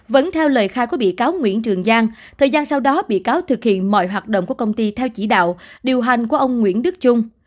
vẫn theo lời khai của bị cáo nguyễn trường giang thời gian sau đó bị cáo thực hiện mọi hoạt động của công ty theo chỉ đạo điều hành của ông nguyễn đức trung